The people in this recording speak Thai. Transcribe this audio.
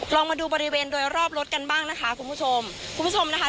ลองมาดูบริเวณโดยรอบรถกันบ้างนะคะคุณผู้ชมคุณผู้ชมนะคะ